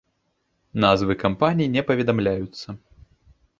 Назвы кампаній не паведамляюцца.